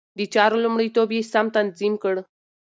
د چارو لومړيتوب يې سم تنظيم کړ.